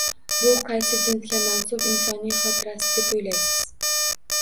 Bu qaysi jinsga mansub insonning xotirasi deb o`ylaysiz